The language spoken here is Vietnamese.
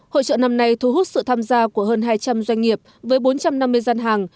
hội trợ năm nay thu hút sự tham gia của hơn hai trăm linh doanh nghiệp với bốn trăm năm mươi gian hàng